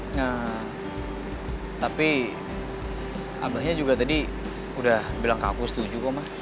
nah tapi abahnya juga tadi udah bilang ke aku setuju kok mah